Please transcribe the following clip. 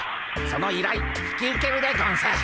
そのいらい引き受けるでゴンス。